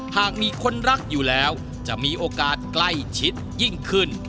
หากมีคนรักอยู่แล้วจะมีโอกาสใกล้ชิดยิ่งขึ้น